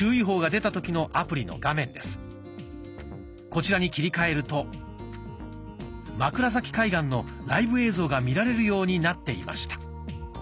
こちらに切り替えると枕崎海岸のライブ映像が見られるようになっていました。